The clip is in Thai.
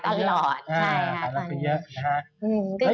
ใช่ค่ะขายตลอดเยอะนะฮะ